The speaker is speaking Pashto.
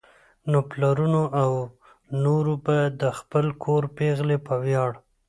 نو پلرونو او نورو به د خپل کور پېغلې په وياړ